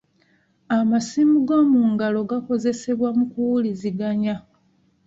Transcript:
Amasimu g'omu ngalo gakozesebwa mu kuwuliziganya.